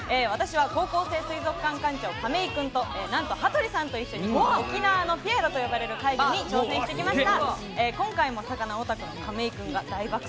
私は高校生水族館、館長亀井君となんと羽鳥さんと一緒に沖縄のピエロと呼ばれる怪魚に挑戦してきました。